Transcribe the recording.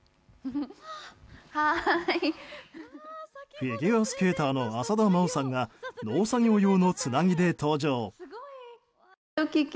フィギュアスケーターの浅田真央さんが農作業用のつなぎで登場。